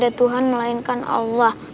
ada tuhan melainkan allah